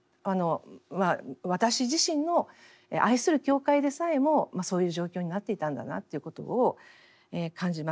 私自身の愛する教会でさえもそういう状況になっていたんだなっていうことを感じます。